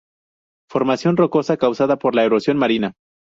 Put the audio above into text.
Formación rocosa causada por la erosión marina.